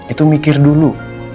itu mikir dulu